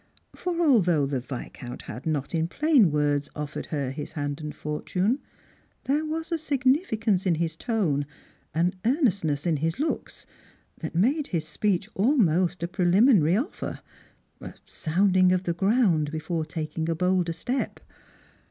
For, although the Yiscount had not in plain words offered her his hand and fortune, there was a significance in his tone, an earnestness in his looks, that made his speech almost a prehminary offer — a sounding of the ground, before taking a bolder step."